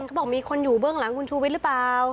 เขาบอกมีคนอยู่เบื้องหลังคุณชูวิทย์หรือเปล่า